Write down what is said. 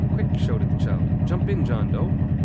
"Quick!" shouted the child. "Jump in, John Dough!"